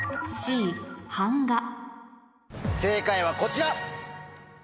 正解はこちら！